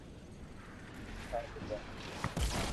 ھون ٿاري ڀوڻيجي ھون